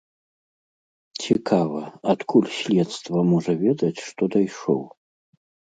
Цікава, адкуль следства можа ведаць, што дайшоў?